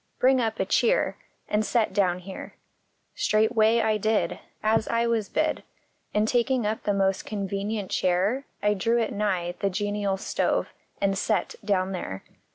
Bring up a cheer, An set down here." Straightway I did As I was bid, And taking up the most convenient chair I drew it nigh the genial stove, and " set " down there.